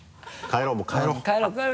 帰ろう帰ろう。